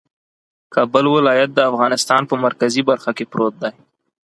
کابل ولایت د افغانستان په مرکزي برخه کې پروت دی